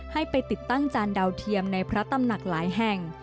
ให้ไปติดตั้งจานดาวเทียมในพระตำหนักหลายแห่ง